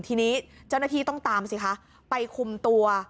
ทีนี้เจ้าหน้าที่ต้องตามสิคะไปคุมตัว